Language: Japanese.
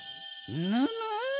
ぬぬ！